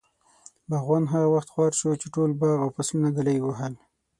باغوان هغه وخت خوار شو، چې ټول باغ او فصلونه ږلۍ ووهل.